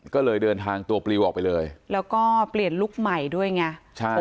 ก็เลยเดินทางตัวปลิวออกไปเลยแล้วก็เปลี่ยนลุคใหม่ด้วยไงใช่